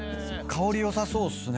香り良さそうっすね。